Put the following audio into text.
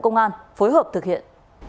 điều tra bộ công an phối hợp thực hiện